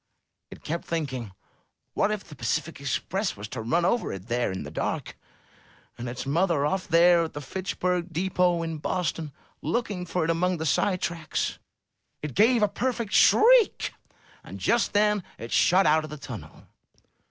It kept thinking, What if the Pacific Express was to run over it there in the dark, and its mother off there at the Fitchburg Depot, in Boston, looking for it among the side tracks? It gave a perfect shriek; and just then it shot out of the tunnel.